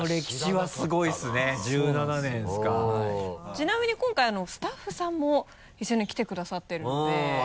ちなみに今回スタッフさんも一緒に来てくださっているので。